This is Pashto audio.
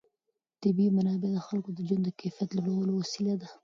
طبیعي منابع د خلکو د ژوند د کیفیت لوړولو وسیله ده.